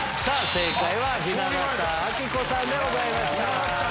正解は雛形あきこさんでございました。